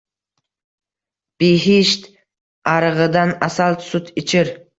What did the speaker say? Bihisht arig‘idan asal sut ichir